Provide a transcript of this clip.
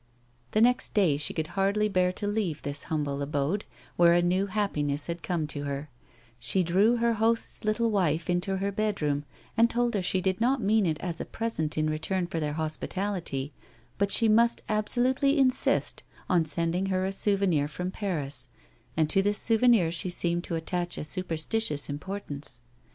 The next day she could hardly bear to leave this hvimble abode, where a new happiness had come to her ; she drew her host's little wife into her bedroom, and told her she did not mean it as a present in return for their hospitality, but she must absolutely insist on sending her a souvenir from Paris, and to this souvenir she seemed to attach a supersti tious importance.